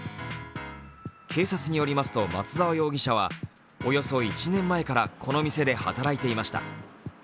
警察によりますと、松沢容疑者はおよそ１年前からこの店で働いていました。